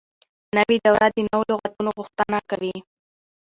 نوې دوره د نوو لغاتو غوښتنه کوي.